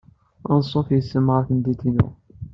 Anṣuf yes-m ɣer tmeddurt-inu!